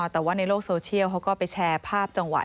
แต่ว่าในโลกโซเชียลเขาก็ไปแชร์ภาพจังหวะ